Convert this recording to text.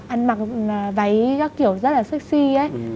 ăn mặc váy các kiểu rất là sexy ấy